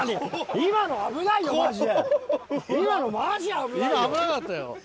今危なかったよ！